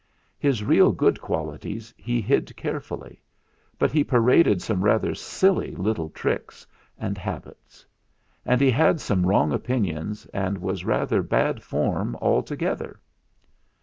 His real good qualities he hid carefully, but he paraded some rather silly little tricks and habits; and he had some wrong opinions and was rather bad form altogether.